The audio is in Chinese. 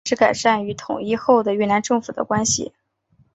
新加坡开始改善与统一后的越南政府的关系。